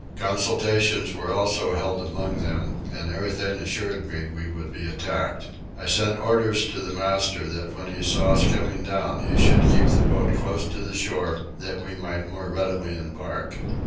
Consultations were also held among them and everything assured me we should be attacked. I sent orders to the master that when he saw us coming down he should keep the boat close to the shore that we might the more readily embark.